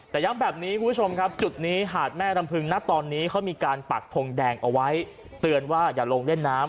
แต่ย้ำแบบนี้คุณผู้ชมครับจุดนี้หาดแม่รำพึงนะตอนนี้เขามีการปักทงแดงเอาไว้เตือนว่าอย่าลงเล่นน้ำ